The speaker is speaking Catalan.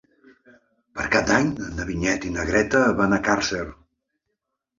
Per Cap d'Any na Vinyet i na Greta van a Càrcer.